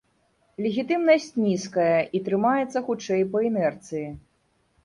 Легітымнасць нізкая, і трымаецца хутчэй па інерцыі.